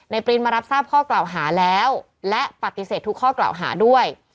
ปรินมารับทราบข้อกล่าวหาแล้วและปฏิเสธทุกข้อกล่าวหาด้วย